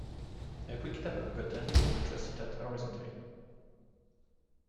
A quick tap of a button will thrust it out horizontally.